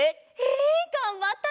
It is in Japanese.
えがんばったね！